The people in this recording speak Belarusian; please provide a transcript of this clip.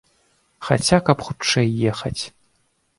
Хаця каб хутчэй ехаць.